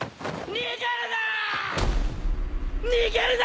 逃げるな！